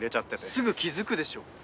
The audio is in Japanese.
すぐ気付くでしょ？